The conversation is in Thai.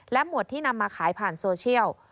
หมวดที่นำมาขายผ่านโซเชียล